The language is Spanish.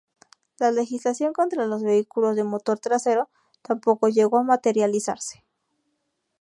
La legislación contra los vehículos de motor trasero tampoco llegó a materializarse.